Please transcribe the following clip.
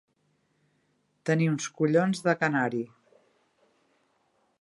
Tenir uns collons de canari.